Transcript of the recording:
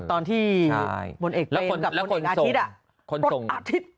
ตอนที่บนเอกเพลงกับบนเอกอาทิตย์